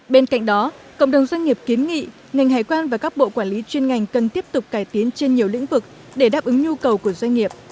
bên cạnh đó cộng đồng doanh nghiệp kiến nghị ngành hải quan và các bộ quản lý chuyên ngành cần tiếp tục cải tiến trên nhiều lĩnh vực để đáp ứng nhu cầu của doanh nghiệp